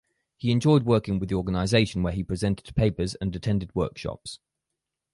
He enjoyed working with the organization where he presented papers and attended workshops.